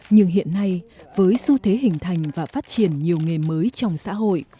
nhưng hiện nay với xu thế hình thành và phát triển nhiều nghề mới trong xã hội